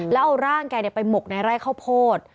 แล้วเอาร่างแกไปหมกในไร่ข้าวโพด